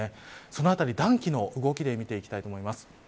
そのあたり暖気の動きで見ていきたいと思います。